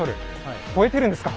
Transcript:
超えてるんですか！